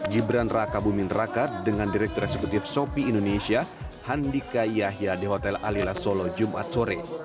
gibran raka buming raka dengan direktur eksekutif shopee indonesia handika yahya di hotel alila solo jumat sore